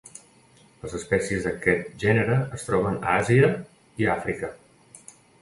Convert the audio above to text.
Les espècies d'aquest gènere es troben a Àsia i a Àfrica.